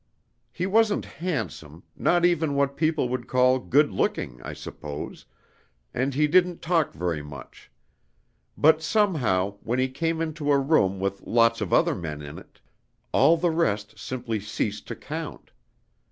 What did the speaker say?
He wasn't handsome, not even what people would call 'good looking,' I suppose, and he didn't talk very much. But somehow, when he came into a room with lots of other men in it, all the rest simply ceased to count.